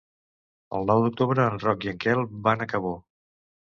El nou d'octubre en Roc i en Quel van a Cabó.